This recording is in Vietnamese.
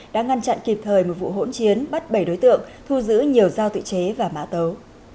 đã ngăn chặn kịp thời một vụ hỗn chiến bắt bảy đối tượng thu giữ nhiều dao tự chế và mã tấu